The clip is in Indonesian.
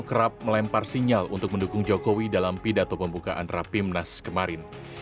kerap melempar sinyal untuk mendukung jokowi dalam pidato pembukaan rapimnas kemarin